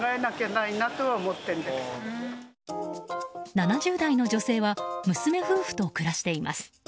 ７０代の女性は娘夫婦と暮らしています。